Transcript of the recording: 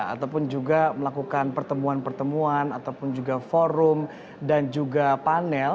ataupun juga melakukan pertemuan pertemuan ataupun juga forum dan juga panel